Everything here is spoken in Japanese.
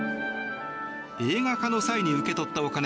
映画化の際に受け取ったお金